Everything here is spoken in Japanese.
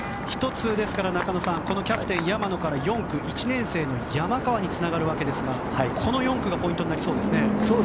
１つ、中野さんキャプテンの山野から４区、１年生の山川につながるわけですがこの４区がポイントになりそうですね。